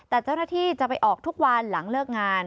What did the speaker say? แต่เจ้าหน้าที่จะไปออกทุกวันหลังเลิกงาน